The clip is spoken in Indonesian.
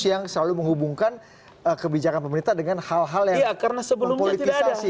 yang selalu menghubungkan kebijakan pemerintah dengan hal hal yang mempolitisasi